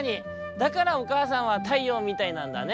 だからおかあさんは太陽みたいなんだね」。